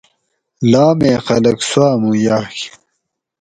لامی خلک سواۤ مو یاگ